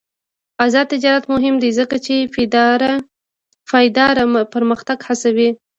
آزاد تجارت مهم دی ځکه چې پایداره پرمختګ هڅوي.